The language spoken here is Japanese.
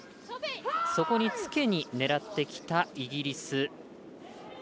そこにつけに狙ってきたイギリス。